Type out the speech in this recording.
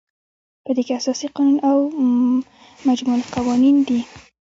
په دې کې اساسي قانون او مجمع القوانین دي.